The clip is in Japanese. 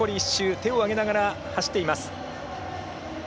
手をあげながら走っています。